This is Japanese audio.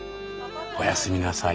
おやすみなさい。